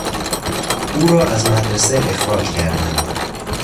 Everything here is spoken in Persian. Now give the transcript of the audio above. او را از مدرسه اخراج کردند.